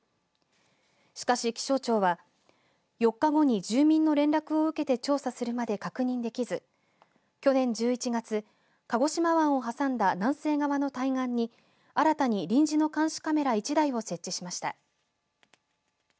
しかし、気象庁は４日後に住民の連絡を受けて調査するまで確認できず去年１１月、鹿児島湾を挟んだ南西側の対岸に新たに臨時の監視カメラ１台を設置しました。